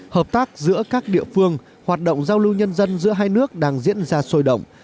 hợp tác giữa các địa phương hoạt động giao lưu nhân dân giữa hai nước đang diễn ra sôi động